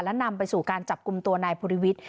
และนำไปสู่การจับกลุ่มตัวนายภูริวิทย์